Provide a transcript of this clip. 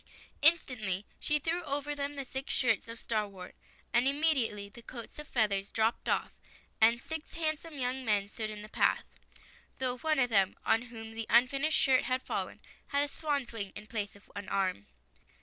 Instantly she threw over them the six shirts of starwort, and immediately the coats of feathers dropped off, and six handsome young men stood in the path — though one of them, on whom the unfinished shirt had fallen, had a swan's wing in place of an arm.